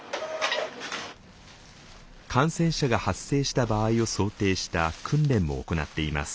感染者が発生した場合を想定した訓練も行っています。